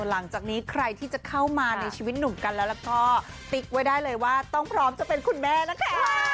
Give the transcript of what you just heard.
หลังจากนี้ใครที่จะเข้ามาในชีวิตหนุ่มกันแล้วก็ติ๊กไว้ได้เลยว่าต้องพร้อมจะเป็นคุณแม่นะคะ